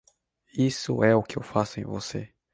Isso é o que eu faço em você.